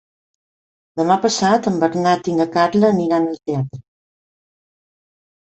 Demà passat en Bernat i na Carla aniran al teatre.